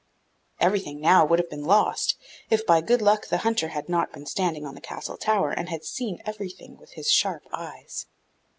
Everything now would have been lost, if by good luck the hunter had not been standing on the castle tower and had seen everything with his sharp eyes.